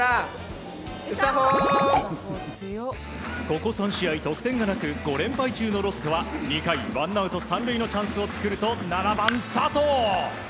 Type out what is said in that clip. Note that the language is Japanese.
ここ３試合得点がなく５連敗中のロッテは２回、ワンアウト３塁のチャンスを作ると７番、佐藤。